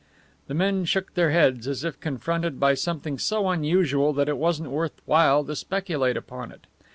The men shook their heads, as if confronted by something so unusual that it wasn't worth while to speculate upon it.